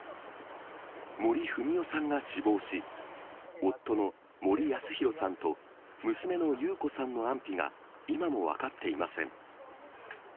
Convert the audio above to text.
森文代さんが死亡し、夫の森保啓さんと娘の優子さんの安否が今も分かっていません。